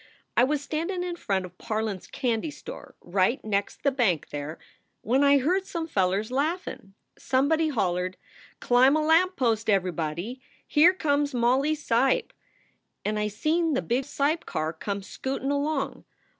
I was standin in front of Parlin s candy store right next the bank there, when I heard some fellers laughin . Somebody hollered: Climb a lamp post, ever body. Here comes Molly Seipp! And I seen the big Seipp car comin scootin along.